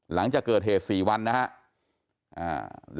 หลังจากเกิดเหตุ๔วันนะครับ